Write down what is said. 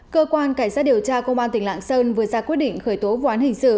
cơ quan cảnh sát điều tra công an tỉnh lạng sơn vừa ra quyết định khởi tố vụ án hình sự